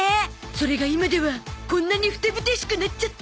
それが今ではこんなにふてぶてしくなっちゃって